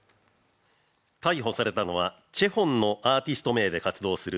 逮捕されたのはＣＨＥＨＯＮのアーティスト名で活動する